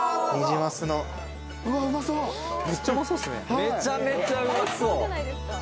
めちゃめちゃうまそう！